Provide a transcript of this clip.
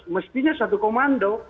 mestinya satu komando